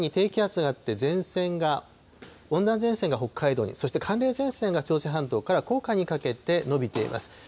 日本海に低気圧があって、前線が、温暖前線が北海道に、そして寒冷前線が朝鮮半島からこうかいにかけて、延びています。